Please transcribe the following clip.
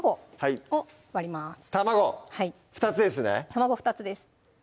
卵２つです